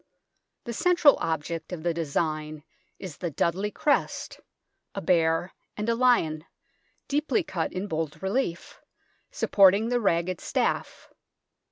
The central object of the design is the Dudley crest, a bear and a lion, deeply cut in bold relief, supporting the ragged staff.